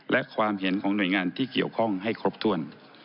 และความเห็นของหน่วยงานที่เกี่ยวข้องให้ครบถ้วน